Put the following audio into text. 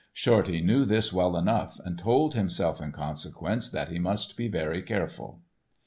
Shorty knew this well enough, and told himself in consequence that he must be very careful.